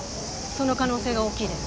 その可能性が大きいです。